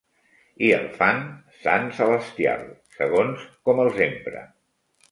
I el fan sant celestial, segons com els empre.